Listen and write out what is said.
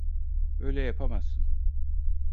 Böyle yapamazsın.